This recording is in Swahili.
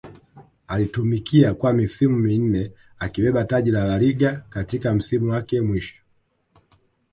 aliitumikia kwa misimu minne akibeba taji la La Liga katika msimu wake mwisho